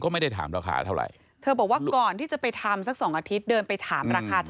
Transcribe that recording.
มีค่าเสื้อผ้าด้วย